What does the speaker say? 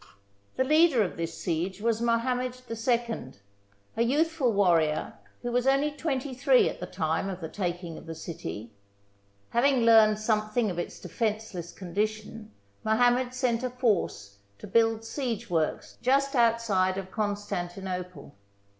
The leader of this siege was Mohammed II, a youthful warrior who was only twenty three at the time of the taking of the city. Having learned some thing of its defenceless condition, Mohammed sent a force to build siegeworks just outside of Constan THE FALL OF CONSTANTINOPLE tinople.